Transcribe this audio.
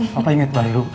papa inget baliru